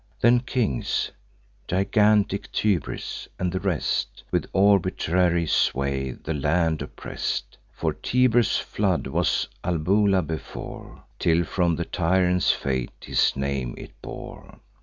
Then kings, gigantic Tybris, and the rest, With arbitrary sway the land oppress'd: For Tiber's flood was Albula before, Till, from the tyrant's fate, his name it bore.